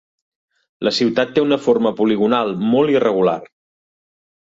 La ciutat té una forma poligonal molt irregular.